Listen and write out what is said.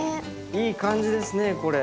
いい感じですねこれ。